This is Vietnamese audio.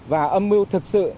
và âm mưu thực sự